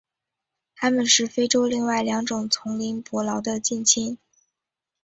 它们是非洲另外两种丛林伯劳的近亲。